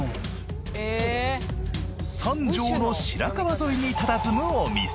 三条の白川沿いにたたずむお店。